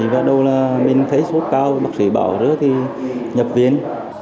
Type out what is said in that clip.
và đầu là mình thấy sốt cao bác sĩ bảo rỡ thì nhập viện